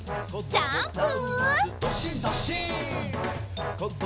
ジャンプ！